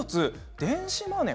電子マネー